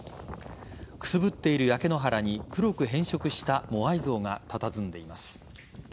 くすぶっている焼け野原に黒く変色したモアイ像がたたずんでいます。